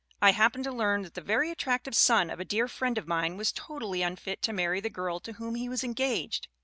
I hap pened to learn that the very attractive son of a dear friend of mine was totally unfit to marry the girl to whom he was engaged.